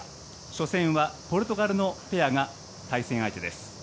初戦はポルトガルのペアが対戦相手です。